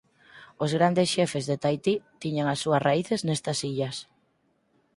Os grandes xefes de Tahití tiñan as súas raíces nestas illas.